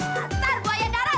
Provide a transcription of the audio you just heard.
ntar buaya darat